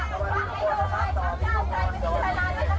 ชั้นก้าวใกล้วิทยาลัยด้วยล่ะครับ